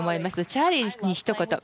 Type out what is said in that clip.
チャーリーにひと言。